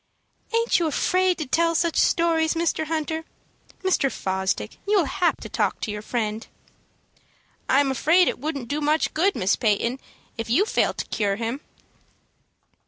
"Aint you afraid to tell such stories, Mr. Hunter? Mr. Fosdick, you will have to talk to your friend." "I am afraid it wouldn't do much good, Miss Peyton, if you fail to cure him."